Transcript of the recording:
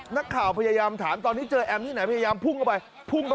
นักข่าวพยายามถามมาตอนนี้พยายามพุ่งเข้าในในถามเธอครับ